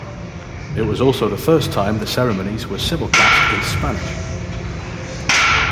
It was also the first time the ceremonies were simulcast in Spanish.